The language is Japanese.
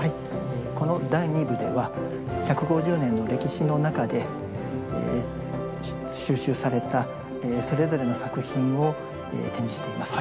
この第２部では１５０年の歴史の中で収集されたそれぞれの作品を展示しています。